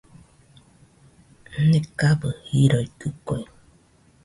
Nekabɨ jiroitɨkue.